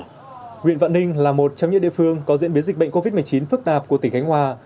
nguyện vạn ninh là một trong những địa phương có diễn biến dịch bệnh covid một mươi chín phức tạp của tỉnh khánh hòa